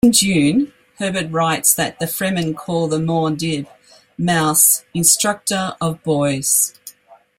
In "Dune", Herbert writes that the Fremen call the Muad'Dib mouse "instructor-of-boys.